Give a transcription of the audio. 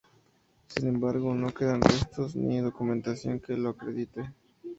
Sin embargo no quedan restos ni documentación que lo acredite.